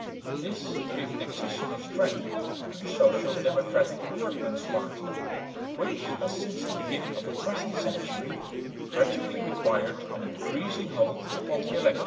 This gave an accession of strength to the "Social Democratic Workmen's Party," which has since the beginning of the present century gradually acquired an increasing hold upon the electorate.